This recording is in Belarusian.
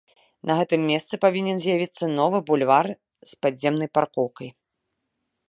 На гэтым месцы павінен з'явіцца новы бульвар з падземнай паркоўкай.